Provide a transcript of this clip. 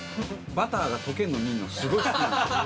バターが溶けるの見るのすごい好きなのよ。